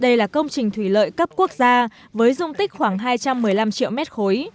đây là công trình thủy lợi cấp quốc gia với dung tích khoảng hai trăm một mươi năm triệu mét khối